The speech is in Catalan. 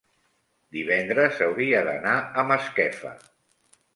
divendres hauria d'anar a Masquefa.